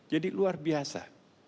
jadi luar biasa